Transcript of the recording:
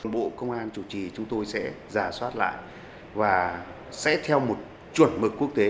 bộ công an chủ trì chúng tôi sẽ giả soát lại và sẽ theo một chuẩn mực quốc tế